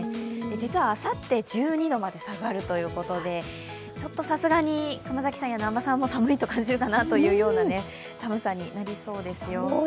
実はあさって、１２度まで下がるということでちょっとさすがに熊崎さんや南波さんも寒いと感じるような寒さになりそうですよ。